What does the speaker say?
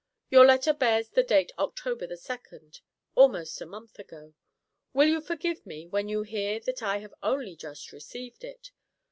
Your letter bears the date October the second, almost a month ago. Will you forgive me when you hear that I only just received it?